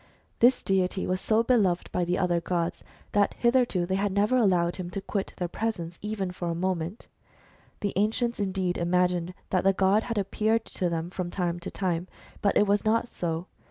This deity was so beloved by the other gods, that hitherto they had never allowed him to HISTORY OF THE HUMAN RACE. 13 quit their presence, even for a moment. The ancients indeed imagined that the god had appeared to them from time to time ; but it was not so.